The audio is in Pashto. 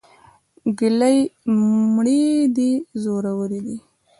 ګلې مړې دې زورور دي.